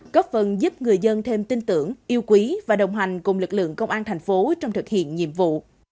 góp phần giúp người dân thêm tin tưởng yêu quý và đồng hành cùng lực lượng công an thành phố trong thực hiện nhiệm vụ